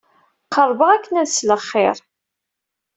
Qerrbeɣ akken ad sleɣ xir.